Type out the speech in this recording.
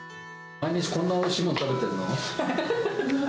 毎日こんなおいしいもの食べてるの？